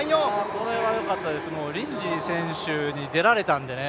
これはよかったです、リンジー選手に出られたんでね